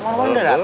roman udah datang